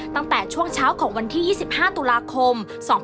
ตั้งแต่ช่วงเช้าของวันที่๒๕ตุลาคม๒๕๖๒